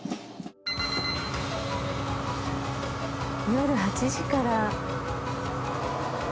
夜８時から。